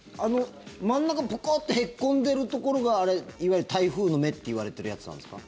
真ん中ボコッてへこんでいるところがいわゆる台風の目といわれているやつなんですか？